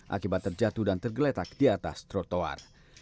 akibat terjatuh dan tergeletak di atas trotoar